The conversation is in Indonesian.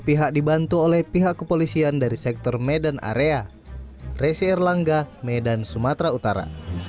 pihak dibantu oleh pihak kepolisian dari sektor medan area resi erlangga medan sumatera utara